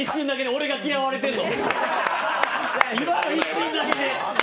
俺が嫌われてるの。